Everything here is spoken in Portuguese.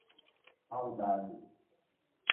Paudalho